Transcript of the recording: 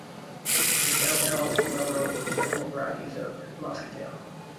The town is also well known for several varieties of Moscatel.